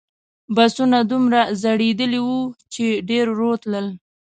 بسونه دومره زړیدلي وو چې ډېر ورو تلل.